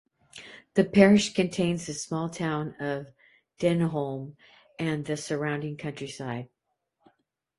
The parish contains the small town of Denholme and the surrounding countryside.